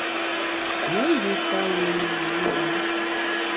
Me yù payù ṅaṅâ.